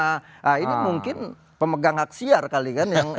nah ini mungkin pemegang hak siar kali kan